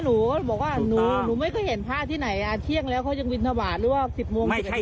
หนูไม่เคยเห็นพระที่ไหนเที่ยงแล้วเขาก็ยังวินทวัตร